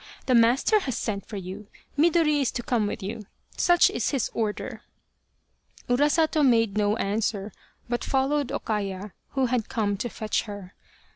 The master has sent for you Midori is to come with you such is his order !" Urasato made no answer, but followed O Kaya, who had come to fetch her.